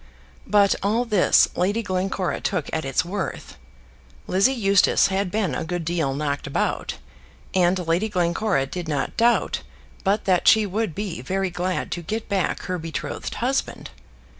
But all this Lady Glencora took at its worth. Lizzie Eustace had been a good deal knocked about, and Lady Glencora did not doubt but that she would be very glad to get back her betrothed husband.